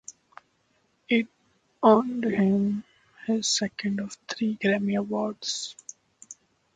It earned him his second of three Grammy Awards.